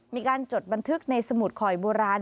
จดบันทึกในสมุดคอยโบราณ